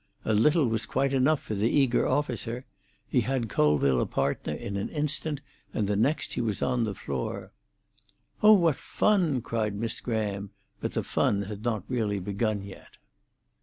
A little was quite enough for the eager officer. He had Colville a partner in an instant, and the next he was on the floor. "Oh, what fun!" cried Miss Graham; but the fun had not really begun yet.